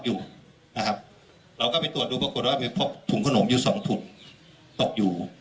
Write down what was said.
อยู่ครับเราก็ไปตรวจดูมาว่ามีถุงขนมสองถุดตกอยู่